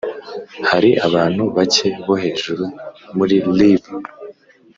hari abantu bake bo hejuru muri rib